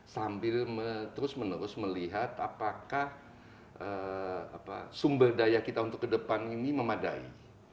sambil terus menerus melihat apakah sumber daya kita untuk ke depan ini memadai